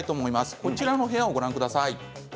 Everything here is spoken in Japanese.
こちらの部屋をご覧ください。